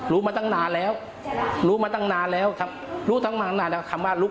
รู้มาตั้งนานแล้วรู้มาตั้งนานแล้วครับรู้ตั้งมานานแล้วคำว่ารู้